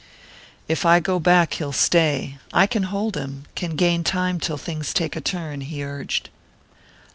"If I go back he'll stay I can hold him, can gain time till things take a turn," he urged.